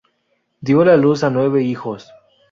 Dio a luz a nueve hijos.